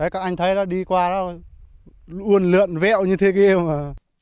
các anh thấy đi qua là luôn lượn vẹo như thế kia mà